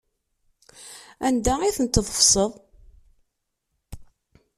Anda ay tent-tḍefseḍ?